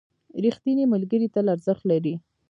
ریښتیني ملګري تل ارزښت لري.